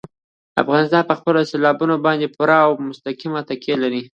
افغانستان په خپلو سیلابونو باندې پوره او مستقیمه تکیه لري.